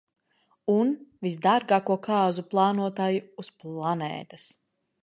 Un visdārgāko kāzu plānotāju uz planētas.